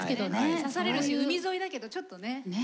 刺されるし海沿いだけどちょっとね。ねえ？